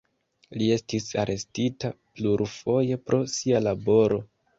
Li estis arestita plurfoje pro sia laboro.